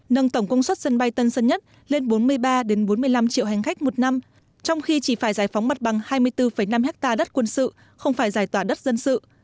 nâng tổng công suất sân bay tân sơn nhất lên bốn mươi ba bốn mươi năm triệu hành khách một năm trong khi chỉ phải giải phóng mặt bằng hai mươi bốn năm ha đất quân sự không phải giải tỏa đất dân sự